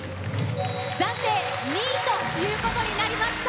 暫定２位ということになりました。